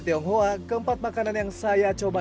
tionghoa keempat makanan yang saya coba